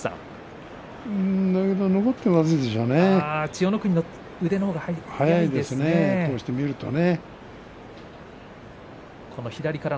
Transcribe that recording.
千代の国の手のほうが早いよね。